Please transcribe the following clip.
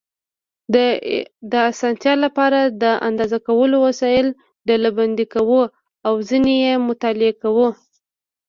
د اسانتیا لپاره د اندازه کولو وسایل ډلبندي کوو او ځینې یې مطالعه کوو.